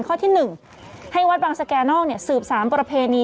ข้อที่๑ให้วัดบางสแก่นอกสืบสารประเพณี